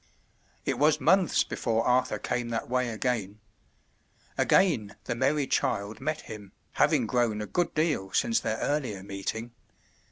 It was months before Arthur came that way again. Again the merry child met him, having grown a good deal since their earlier meeting.